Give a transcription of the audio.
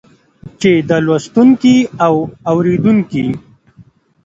چې د لوستونکي او اورېدونکي